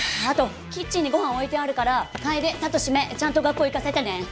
あとキッチンにごはん置いてあるから楓さとしめいちゃんと学校行かせてね。